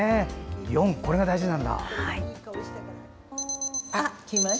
これが大事なんだ。